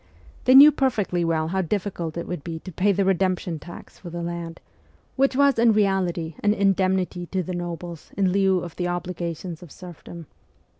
They knew perfectly well how difficult it would be to pay the redemption tax for the land, which was in reality an indemnity to the nobles in lieu of the obligations of serfdom.